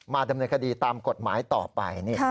ดำเนินคดีตามกฎหมายต่อไป